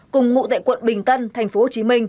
cùng ngụ tệ quận bình tân tp hcm